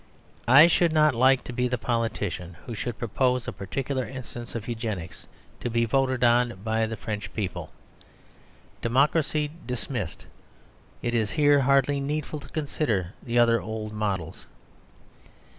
I should not like to be the politician who should propose a particular instance of Eugenics to be voted on by the French people. Democracy dismissed, it is here hardly needful to consider the other old models.